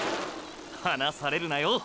離されるなよ